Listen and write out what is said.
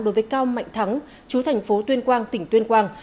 đối với cao mạnh thắng chú thành phố tuyên quang tỉnh tuyên quang